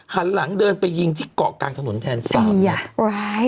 หันหลังเดินไปยิงที่เกาะกลางถนนแทนสาม